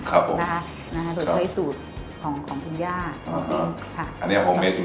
เพราะตัวใช้สูตรของครูแย่